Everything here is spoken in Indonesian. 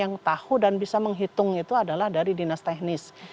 yang tahu dan bisa menghitung itu adalah dari dinas teknis